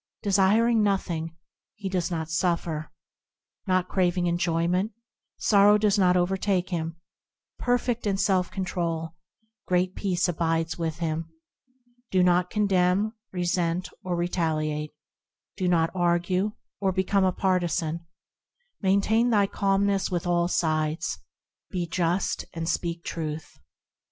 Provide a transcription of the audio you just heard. Desiring nothing, he does not suffer; Not craving enjoyment, sorrow does not overtake him ; Perfect in self control, great peace abides with him; Do not condemn, resent or retaliate; Do not argue, or become a partisan ; Maintain thy calmness with all sides; Be just, and speak truth.